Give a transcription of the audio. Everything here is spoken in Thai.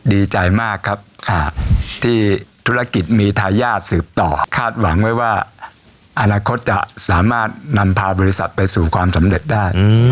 ดีใจมากครับที่ธุรกิจมีทายาทสืบต่อคาดหวังไว้ว่าอนาคตจะสามารถนำพาบริษัทไปสู่ความสำเร็จได้